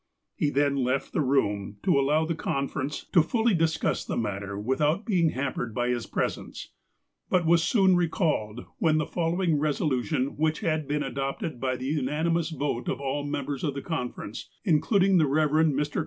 He then left the room to allow the conference to fully 258 THE APOSTLE OF ALASKA discuss the matter, without beiug hampered by his pres ence ; but was soon recalled, when the following resolu tion, which had been adopted by the unanimous vote of all the members of the conference, including the Eev. Mr.